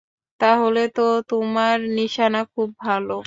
তাহলে তো তোমার নিশানা খুব ভালো।